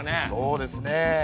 そうですね。